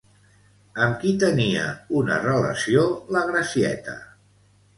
Amb qui tenia una relació la Gracieta?